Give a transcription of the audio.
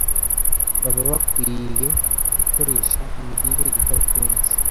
baba bakwiriye gukoresha imirire idahenze,